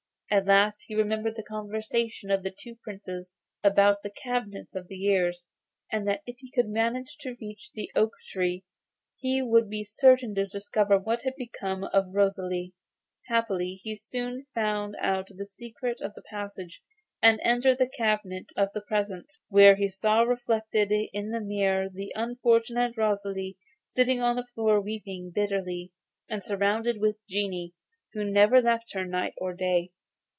At last he remembered the conversation of the two Princes about the cabinets of the years, and that if he could manage to reach the oak tree, he would be certain to discover what had become of Rosalie. Happily, he soon found out the secret of the passage and entered the cabinet of the present, where he saw reflected in the mirrors the unfortunate Rosalie sitting on the floor weeping bitterly, and surrounded with genii, who never left her night or day.